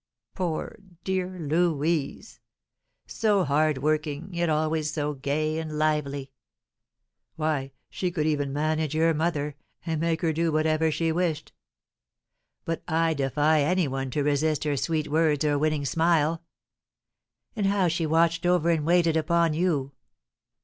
Poor dear Louise! so hard working, yet always so gay and lively! Why, she could even manage your mother, and make her do whatever she wished. But I defy any one to resist her sweet words or winning smile. And how she watched over and waited upon you!